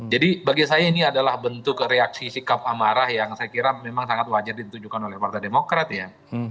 jadi bagi saya ini adalah bentuk reaksi sikap amarah yang saya kira memang sangat wajar ditujukan oleh partai demokrat ya